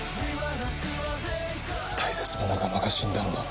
大切な仲間が死んだんだ。